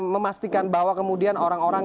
memastikan bahwa kemudian orang orang